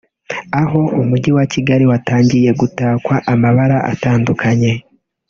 aho umujyi wa Kigali watangiye gutakwa amabara atandukanye